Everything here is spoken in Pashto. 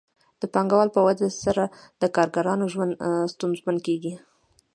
د پانګوال په ودې سره د کارګرانو ژوند ستونزمنېږي